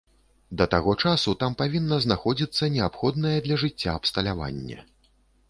Да таго часу там павінна знаходзіцца неабходнае для жыцця абсталяванне.